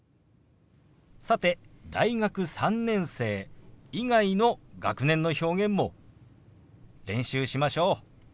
さて大学３年生以外の学年の表現も練習しましょう。